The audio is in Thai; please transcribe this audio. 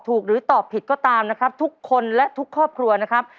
ทุกคนและทุกครอบครัวนะครับ